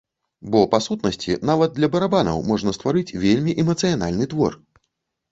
Бо, па сутнасці, нават для барабанаў можна стварыць вельмі эмацыянальны твор.